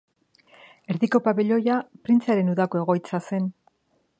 Erdiko pabilioia printzearen udako egoitza zen.